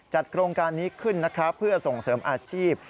โครงการนี้ขึ้นนะครับเพื่อส่งเสริมอาชีพ